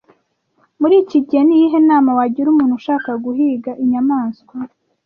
Muri iki gihe ni iyihe nama wagira umuntu ushaka guhiga inyamaswa